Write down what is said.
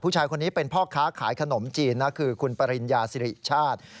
ผู้ชายคนนี้เป็นพ่อค้าขายขนมจีนนะคือคุณปริญญาสิริชาติ